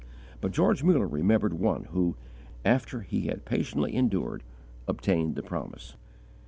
But George Muller remembered one who, "after he had patiently endured, obtained the promise."